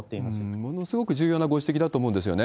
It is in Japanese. ものすごく重要なご指摘だと思うんですよね。